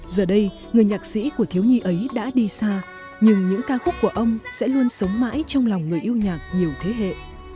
giờ đây người nhạc sĩ của thiếu nhi ấy đã đi xa nhưng những ca khúc của ông sẽ luôn sống mãi trong lòng người yêu nhạc nhiều thế hệ